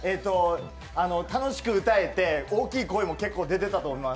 楽しく歌えて大きい声も結構出てたと思います。